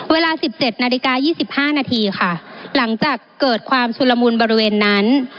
เวลาสิบเจ็ดนาฬิกายี่สิบห้านาทีค่ะหลังจากเกิดความสุรมูลบริเวณนั้น